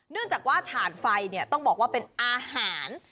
เนื่องจากว่าถ่านไฟต้องบอกว่าเป็นอาหาร